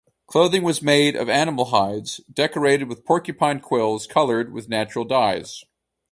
Clothing was made of animal hides, decorated with porcupine quills colored with natural dyes.